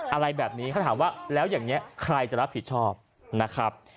อะไรแบบนี้เขาถามว่าแล้วอย่างนี้ใครจะรับผิดชอบนะครับ